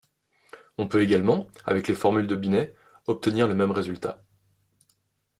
On peut également, avec les formules de Binet, obtenir le même résultat.